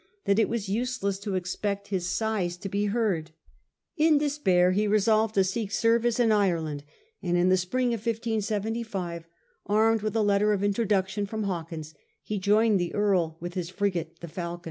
that it was useless to expect his sighs to be heard In despair he resolved to seek service in Ireland, and in the spring of 1575, armed with a letter of intro duction from Hawkins, he joined the Earl with his frigate the FoXcm.